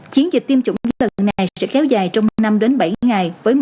chiến dịch tiêm chủng lần này sẽ khéo dài trong năm bảy ngày